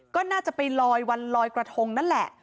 ก็น่าจะไปลอยวันลอยกระทงนั่นแหละ